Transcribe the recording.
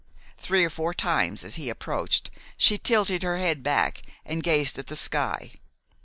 Three or four times, as he approached, she tilted her head back and gazed at the sky.